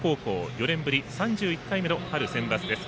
４年ぶり３１回目の春センバツです。